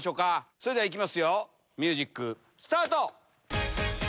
それでは行きますよミュージックスタート！